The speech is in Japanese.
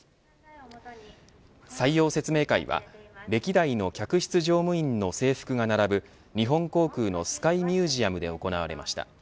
採用説明会は歴代の客室乗務員の制服が並ぶ日本航空のスカイミュージアムで行われました。